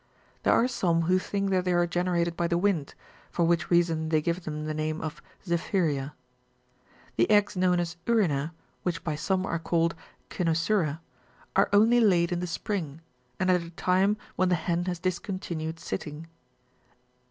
There are some who think that they are generated by the wind, for which reason they give them the name of '' zephyria." The eggs known as *' urina," and which by some are called *'cy nosura, '^ are only laid in the spring, and at a time when the hen has discontinued sitting.